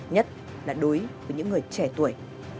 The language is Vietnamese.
nhất là đối với những người trẻ tuổi